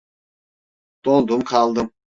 Dondum kaldım.